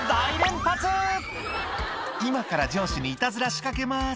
「今から上司にいたずら仕掛けます」